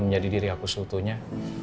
menjadi diri aku seutuhnya